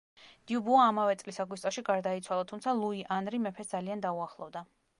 დიუბუა ამავე წლის აგვისტოში გარდაიცვალა, თუმცა ლუი ანრი მეფეს ძალიან დაუახლოვდა.